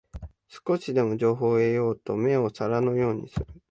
少しでも情報を得ようと目を皿のようにする